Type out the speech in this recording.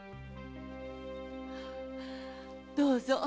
どうぞ。